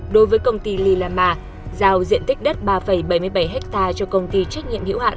đối với công ty lilama giao diện tích đất ba bảy mươi bảy ha cho công ty trách nhiệm hiểu hạn